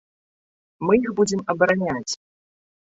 Мы іх будзем абараняць.